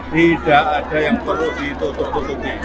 tidak ada yang perlu ditutup tutupi